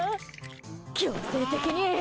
強制的に！